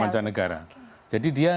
mancanegara jadi dia